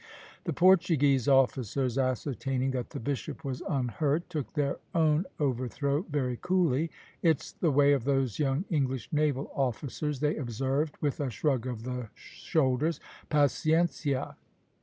The Portuguese officers ascertaining that the bishop was unhurt took their own overthrow very coolly. "It's the way of those young English naval officers," they observed, with a shrug of the shoulders. "Paciencia!"